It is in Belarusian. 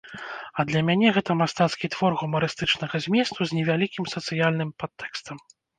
А для мяне гэта мастацкі твор гумарыстычнага зместу з невялікім сацыяльным падтэкстам.